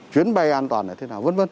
chuyến bay an toàn là thế nào vân vân